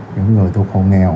những người thuộc hồ nghèo